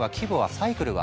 サイクルは？